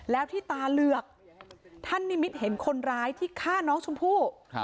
แล้วที่ตาเหลือกท่านนิมิตเห็นคนร้ายที่ฆ่าน้องชมพู่